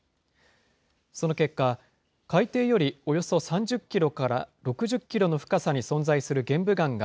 その結果、海底よりおよそ３０キロから６０キロの深さに存在する玄武岩が、